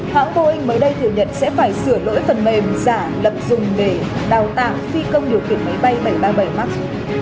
hãng boeing mới đây thừa nhận sẽ phải sửa lỗi phần mềm giả lập dùng để đào tạo phi công điều khiển máy bay bảy trăm ba mươi bảy max